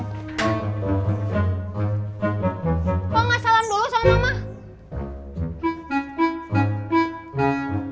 kok gak salam dulu sama mama